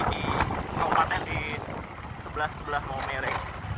di kabupaten di sebelah sebelah maumere